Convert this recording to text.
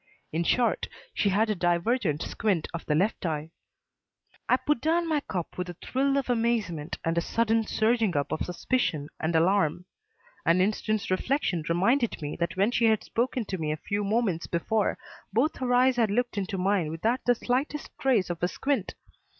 In short, she had a divergent squint of the left eye. I put down my cup with a thrill of amazement and a sudden surging up of suspicion and alarm. An instant's reflection reminded me that when she had spoken to me a few moments before, both her eyes had looked into mine without the slightest trace of a squint.